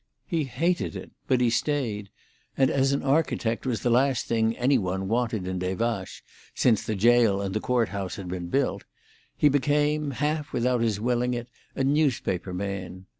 He hated it; but he stayed, and as an architect was the last thing any one wanted in Des Vaches since the jail and court house had been built, he became, half without his willing it, a newspaper man.